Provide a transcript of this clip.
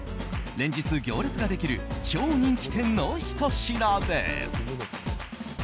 連日行列ができる超人気店のひと品です。